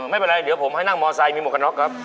ไม่เป็นไรเดี๋ยวผมให้นั่งมอไซค์มีหมวกกันน็อกครับ